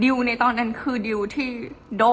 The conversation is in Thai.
เพราะในตอนนั้นดิวต้องอธิบายให้ทุกคนเข้าใจหัวอกดิวด้วยนะว่า